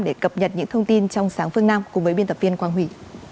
để cập nhật những thông tin trong sáng phương nam cùng với biên tập viên quang huy